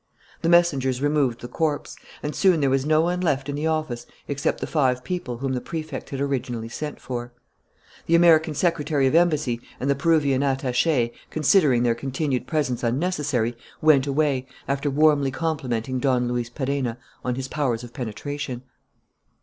The messengers removed the corpse; and soon there was no one left in the office except the five people whom the Prefect had originally sent for. The American Secretary of Embassy and the Peruvian attaché, considering their continued presence unnecessary, went away, after warmly complimenting Don Luis Perenna on his powers of penetration.